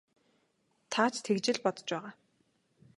Та ч тэгж л бодож байгаа.